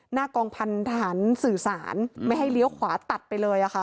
หน้ากองพันธหารสื่อสารไม่ให้เลี้ยวขวาตัดไปเลยค่ะ